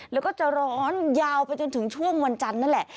แล้วก็จะร้อนยาวไปจนถึงช่วงวันจันทร์นั่นแหละ